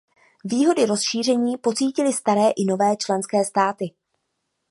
Výhody rozšíření pocítily staré i nové členské státy.